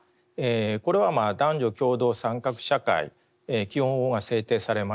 これは男女共同参画社会基本法が制定されまして